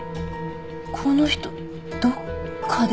この人どっかで。